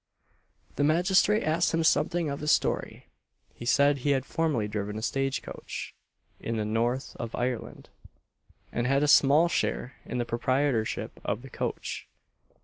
The magistrate asked him something of his story. He said he had formerly driven a stage coach, in the north of Ireland, and had a small share in the proprietorship of the coach.